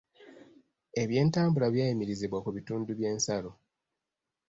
Eby'entambula byayimirizibwa ku bitundu by'ensalo.